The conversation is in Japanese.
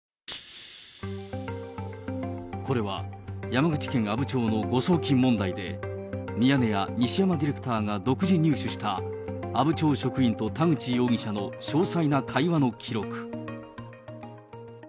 山口県阿武町の誤送金問題で、ミヤネ屋、西山ディレクターが独自入手した、阿武町職員と田口容疑者の詳細な会話の記録。